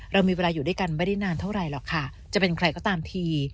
เรามีเวลาอยู่ด้วยกันไม่ได้นานเท่าไหร่หรอกค่ะจะเป็นใครก็ตามที